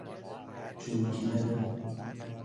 چروکیدن